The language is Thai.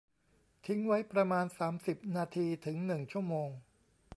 ทิ้งไว้ประมาณ สามสิบ นาที ถึง หนึ่ง ชั่วโมง